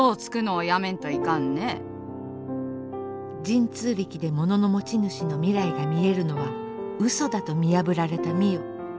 神通力で物の持ち主の未来が見えるのは嘘だと見破られた美世。